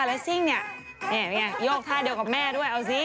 ฮาวแลสซิงนะนี่รู้ไหมยกท่าเดียวกับแม่ด้วยเอาสิ